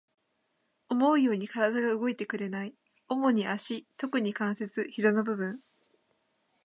思うように体が動いてくれない。主に足、特に関節、膝の部分。